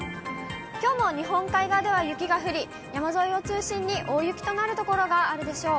きょうも日本海側では雪が降り、山沿いを中心に大雪となる所があるでしょう。